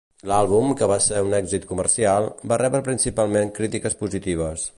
L'àlbum, que va ser un èxit comercial, va rebre principalment crítiques positives.